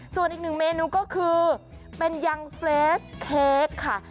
ส่วนอีกหนึ่งเมนูก็คือเป็นยังเฟรสเค้กค่ะ